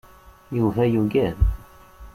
Yuba yugad.